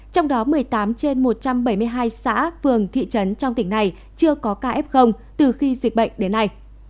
trong đó một mươi tám trên một trăm bảy mươi hai xã vườn thị trấn trong tỉnh này chưa có ca f từ khi dịch bệnh đến nay